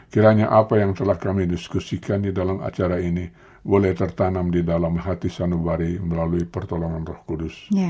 kiranya apa yang telah kami diskusikan di dalam acara ini boleh tertanam di dalam hati sanubari melalui pertolongan roh kudus